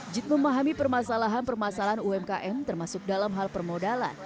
jit memahami permasalahan permasalahan umkm termasuk dalam hal permodalan